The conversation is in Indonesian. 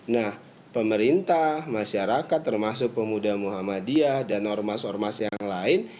nah pemerintah masyarakat termasuk pemuda muhammadiyah dan ormas ormas yang lain